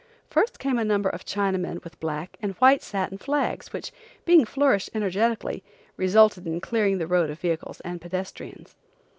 First came a number of Chinamen with black and white satin flags which, being flourished energetically, resulted in clearing the road of vehicles and pedestrians.